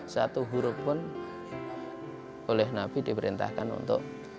satu huruf pun oleh nabi diperintahkan untuk